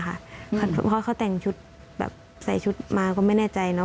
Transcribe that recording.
เพราะเขาแต่งชุดแบบใส่ชุดมาก็ไม่แน่ใจเนอ